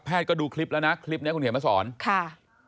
แพทย์ก็ดูคลิปแล้วนะคลิปนี้คุณเห็นไหมอาสร